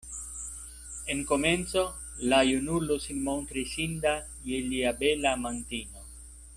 En komenco la junulo sin montris inda je lia bela amantino.